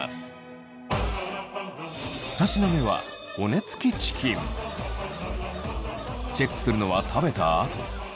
２品目はチェックするのは食べたあと。